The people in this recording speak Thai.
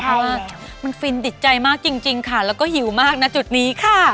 เพราะว่ามันฟินติดใจมากจริงค่ะแล้วก็หิวมากนะจุดนี้ค่ะ